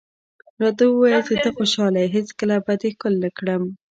راته ووایه چې ته خوشحاله یې، هېڅکله به دې ښکل نه کړم.